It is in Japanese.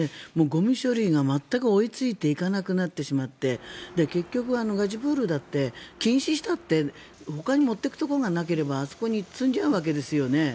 ゴミ処理が全く追いついていかなくなってしまって結局、ガジプールだって禁止したってほかに持っていくところがなければあそこに積んじゃうわけですよね。